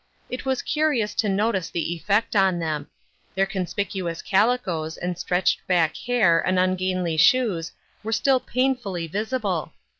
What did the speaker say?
It was curious to notice the effect on them. Their conspicuous calicoes and strefcched back hair and ungainly shoes were still painfully visi ble.